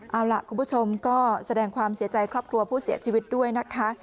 เอาล่ะคุณผู้ชมก็แสดงความเสียใจครอบครัวผู้เสียชีวิตด้วยนะคะ